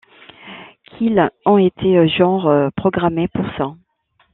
Qu’ils ont été genre programmés pour ça.